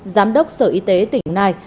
giám đốc sở y tế tỉnh đồng nai